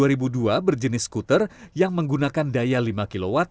rata motor listrik di eems dua ribu dua berjenis skuter yang menggunakan daya lima kw